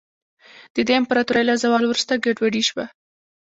د دې امپراتورۍ له زوال وروسته ګډوډي شوه.